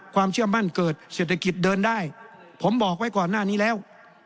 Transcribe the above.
ความเชื่อมั่นเกิดเศรษฐกิจเดินได้ผมบอกไว้ก่อนหน้านี้แล้ว